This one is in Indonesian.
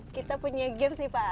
kita punya games nih pak